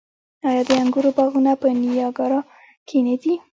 آیا د انګورو باغونه په نیاګرا کې نه دي؟